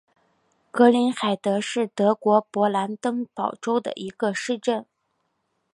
格林海德是德国勃兰登堡州的一个市镇。